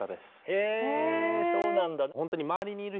へそうなんだ。